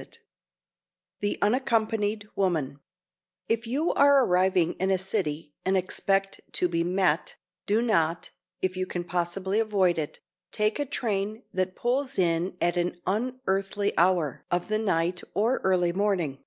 [Sidenote: THE UNACCOMPANIED WOMAN] If you are arriving in a city and expect to be "met," do not, if you can possibly avoid it, take a train that pulls in at an unearthly hour of the night or early morning.